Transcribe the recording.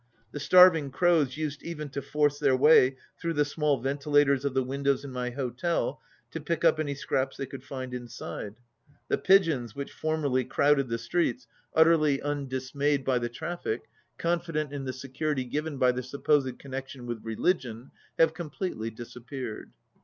The starving crows used even to force their way through the small ventilators of the windows in my hotel to pick up any scraps they could find inside. The pigeons, which formerly crowded the streets, ut 42 terly undismayed by the traffic, confident in the security given by their supposed connection with religion, have completely disappeared.